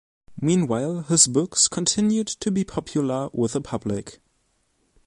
Meanwhile, his books continued to be popular with the public.